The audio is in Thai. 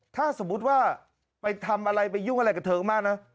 ถ้าสมมุติว่าไปทำอะไรไปยุ่งอะไรกับเธอมากนะ